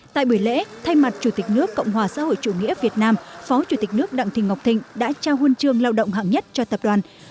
tại buổi lễ thay mặt chủ tịch nước cộng hòa xã hội chủ nghĩa việt nam phó chủ tịch nước đặng thị ngọc thịnh đã trao huân chương lao động hạng nhất cho tập đoàn